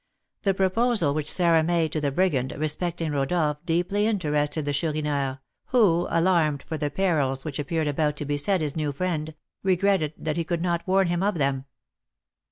The proposal which Sarah made to the brigand respecting Rodolph deeply interested the Chourineur, who, alarmed for the perils which appeared about to beset his new friend, regretted that he could not warn him of them.